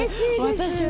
私も！